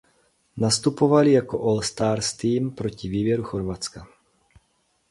Nastupovali jako All stars tým proti výběru Chorvatska.